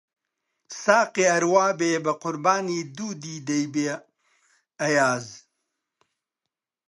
ساقی ئەر وا بێ بە قوربانی دوو دیدەی بێ، ئەیاز